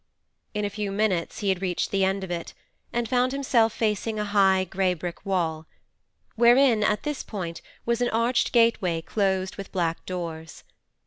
In a few minutes he had reached the end of it, and found himself facing a high grey brick wall, wherein, at this point, was an arched gateway closed with black doors.